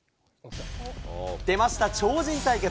出ました、超人対決。